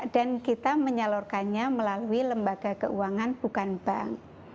dan kita menyalurkannya melalui lembaga keuangan bukan bank